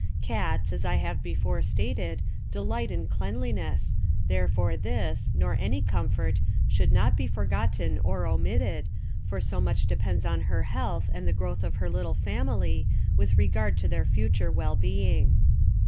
Cats, as I have before stated, delight in cleanliness, therefore this, nor any comfort, should not be forgotten or omitted, for so much depends on her health and the growth of her little family, with regard to their future well being.